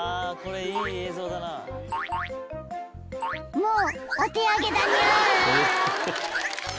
［もうお手上げだにゃ］